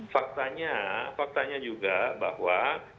faktanya faktanya juga bahwa